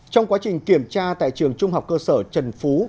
trong quá trình kiểm tra tại trường trung học cơ sở trần phú